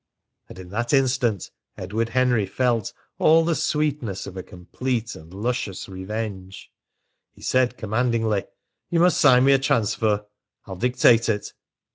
And in that instant Edward Henry felt all the sweetness of a complete and luscious revenge. He said commandingly: "You must sign me a transfer. I'll dictate it."